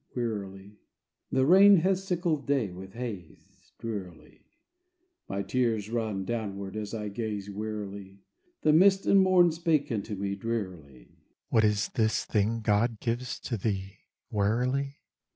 Wearily. The rain hath sicklied day with haze, Drearily; My tears run downward as I gaze, Wearily. The mist and morn spake unto me, Drearily: "What is this thing God gives to thee, Wearily?"